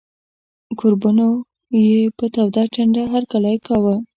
کوربنو یې په توده ټنډه هرکلی کاوه.